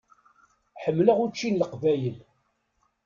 Ḥemmleɣ učči n Leqbayel.